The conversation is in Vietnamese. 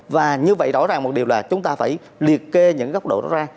và như vậy rõ ràng một điều là chúng ta phải liệt kê những góc độ đó ra